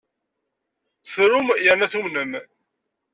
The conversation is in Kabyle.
Trum yerna tumnem.